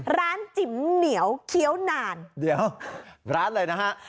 จิ๋มเหนียวเคี้ยวนานเดี๋ยวร้านอะไรนะฮะ